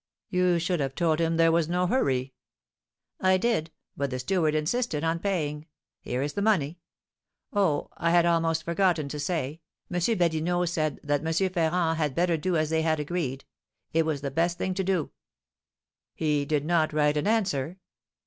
"You should have told him there was no hurry." "I did, but the steward insisted on paying. Here is the money. Oh! I had almost forgotten to say, M. Badinot said that M. Ferrand had better do as they had agreed; it was the best thing to do." "He did not write an answer?"